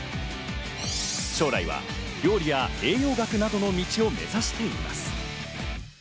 将来は料理や栄養学などの道を目指しています。